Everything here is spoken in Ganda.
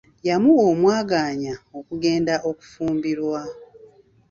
Yamuwa omwagaanya okugenda okufumbirwa.